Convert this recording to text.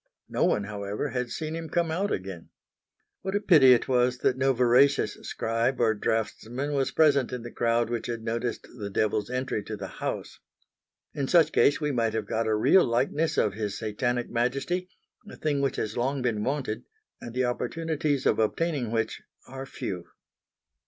No one, however, had seen him come out again. What a pity it was that no veracious scribe or draughtsman was present in the crowd which had noticed the Devil's entry to the house. In such case we might have got a real likeness of His Satanic Majesty a thing which has long been wanted and the opportunities of obtaining which are few.